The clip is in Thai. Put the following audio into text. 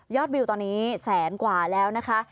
วิวตอนนี้แสนกว่าแล้วนะคะ